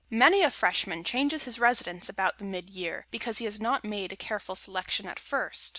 Many a Freshman changes his residence about the mid year, because he has not made a careful selection at first.